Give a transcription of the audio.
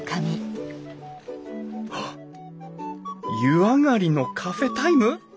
湯上がりのカフェタイム？